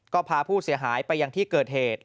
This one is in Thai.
ก็พาผู้เสียหายไปยังที่เกิดเหตุ